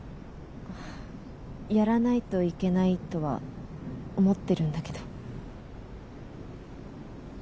やらないといけないとは思ってるんだけど。